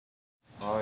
はい。